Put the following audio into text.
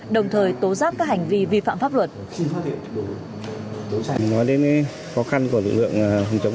đồng thời tố giác các hành vi vi phạm pháp luật